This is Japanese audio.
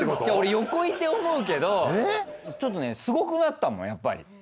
横いて思うけどちょっとね凄くなったもんやっぱり。